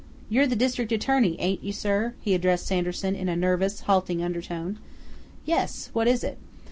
"You're the district attorney, ain't you, sir?" he addressed Sanderson in a nervous, halting undertone. "Yes. What is it?"